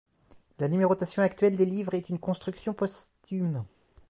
La numérotation actuelle des livres est une construction posthume.